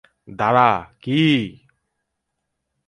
দাঁড়া, কী?